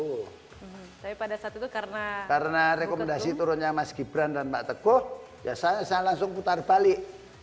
tapi pada saat itu karena rekomendasi turunnya mas gibran dan pak teguh ya saya langsung putar balik